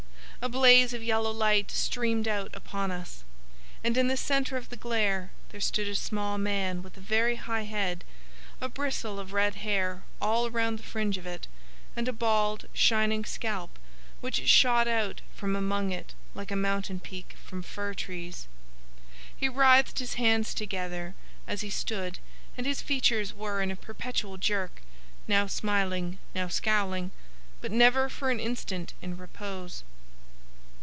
A blaze of yellow light streamed out upon us, and in the centre of the glare there stood a small man with a very high head, a bristle of red hair all round the fringe of it, and a bald, shining scalp which shot out from among it like a mountain peak from fir trees. He writhed his hands together as he stood, and his features were in a perpetual jerk, now smiling, now scowling, but never for an instant in repose.